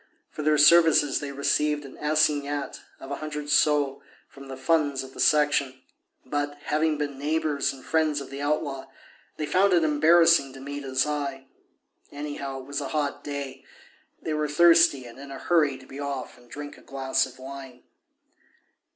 For their services they received an assignat of a hundred sols from the funds of the Section; but, having been neighbours and friends of the outlaw, they found it embarrassing to meet his eye. Anyhow, it was a hot day; they were thirsty and in a hurry to be off and drink a glass of wine.